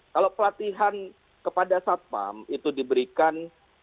kalau pelatihan kepada satpam itu diberikan